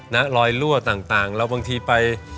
รอยรั่วต่างแล้วบางทีไป